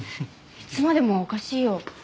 いつまでもはおかしいよ。